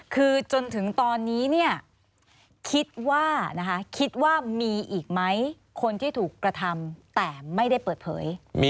คือจนถึงตอนนี้คิดว่าคิดว่ามีอีกไหมคนที่ถูกกระทำแต่ไม่ได้เปิดเผย